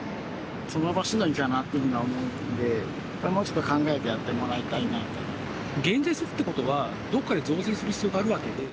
その場しのぎかなというふうには思うので、もうちょっと考え減税するってことは、どこかで増税する必要があるわけで。